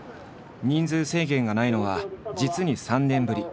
人数制限がないのは実に３年ぶり。